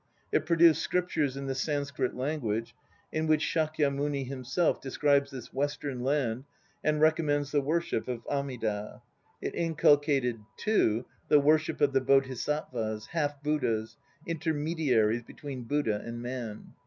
It produced scriptures in the Sanskrit language, in which Shakyamuni himself describes this Western Land and recommends the worship of Amida; it inculcated too the worship of the Bodhisattvas, half Buddhas, intermediaries between Buddha and man.